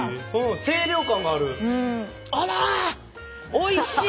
おいしい？